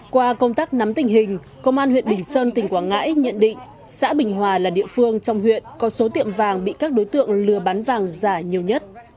qua công tác nắm tình hình công an huyện bình sơn tỉnh quảng ngãi nhận định xã bình hòa là địa phương trong huyện có số tiệm vàng bị các đối tượng lừa bán vàng giả nhiều nhất